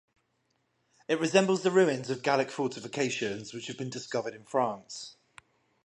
It resembles the ruins of Gallic fortifications which have been discovered in France.